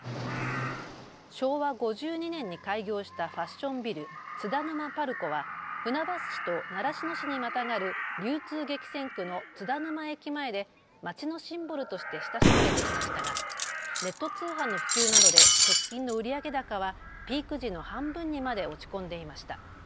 昭和５２年に開業したファッションビル、津田沼パルコは船橋市と習志野市にまたがる流通激戦区の津田沼駅前で街のシンボルとして親しまれてきましたがネット通販の普及などで直近の売上高はピーク時の半分にまで落ち込んでいました。